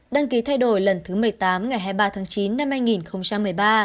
đăng ký thay đổi lần thứ một mươi tám ngày hai mươi ba tháng chín năm hai nghìn một mươi ba